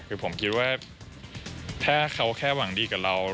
คือผมคิดว่าถ้าเขาแค่หวังดีกับเรา